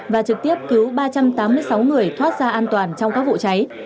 và trực tiếp cứu ba trăm tám mươi sáu người thoát ra an toàn trong các vụ cháy